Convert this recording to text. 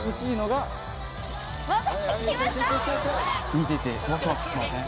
見ててワクワクしません？